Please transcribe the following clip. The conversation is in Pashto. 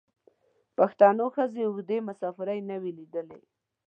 پښتنو ښځو اوږدې مسافرۍ نه وې لیدلي.